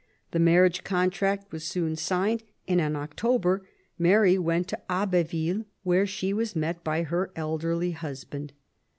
The marriage contract was soon signed, and in October Mary went to Abbeville, where she was met by her elderly husband.